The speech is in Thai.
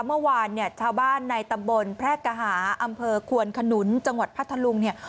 เมื่อวานเนี่ยชาวบ้านในตำบลแพร่กหาอำเภอควนขนุนจังหวัดพัทธลุงเนี่ย